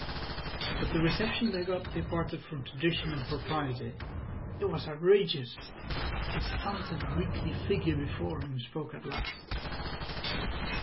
But the reception they got departed from tradition and propriety. It was outrageous. The stunted, weakly figure before him spoke at last.